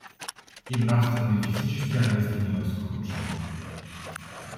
И нравственно и физически она изменилась к худшему.